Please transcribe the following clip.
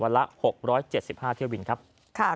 สวัสดีค่ะ